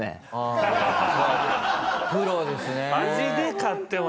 プロですね。